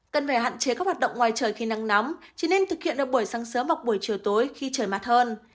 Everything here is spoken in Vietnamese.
cần phải hạn chế các hoạt động ngoài trời khi nắng nóng chỉ nên thực hiện được buổi sáng sớm hoặc buổi chiều tối khi trời mát hơn